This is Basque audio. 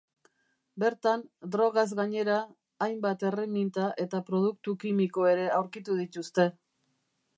Bertan, drogaz gainera, hainbat erreminta eta produktu kimiko ere aurkitu dituzte.